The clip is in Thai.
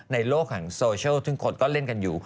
ในโลกของโซเชียลซึ่งคนก็เล่นกันอยู่